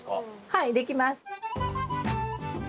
はいできます。